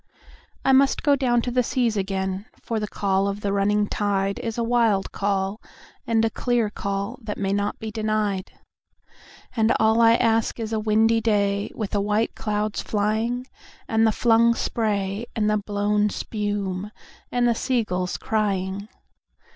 I must down go to the seas again, for the call of the running tide Is a wild call and a clear call that may not be denied; And all I ask is a windy day with the white clouds flying, And the flung spray and the blown spume, and the sea gulls crying.